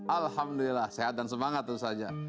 alhamdulillah sehat dan semangat tentu saja